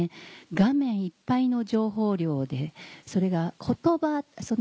画面いっぱいの情報量でそれが。